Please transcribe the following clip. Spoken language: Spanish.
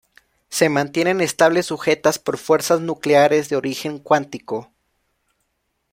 Se mantienen estables sujetas por fuerzas nucleares de origen cuántico.